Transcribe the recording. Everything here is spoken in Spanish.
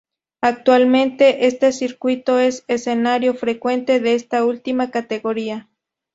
Actualmente, este circuito es escenario frecuente de esta última categoría.